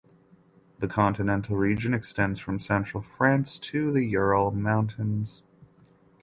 The Continental Region extends from central France to the Ural Mountains.